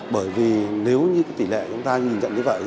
bởi vì nếu như tỷ lệ chúng ta nhìn nhận như vậy